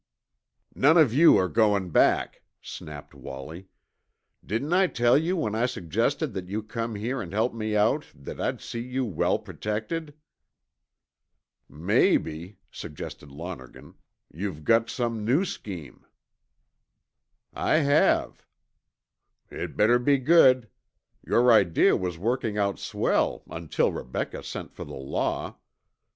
"None of you are goin' back," snapped Wallie. "Didn't I tell you, when I suggested that you come here and help me out, that I'd see you well protected?" "Maybe," suggested Lonergan, "you've got some new scheme." "I have." "It better be good. Your idea was working out swell until Rebecca sent for the law.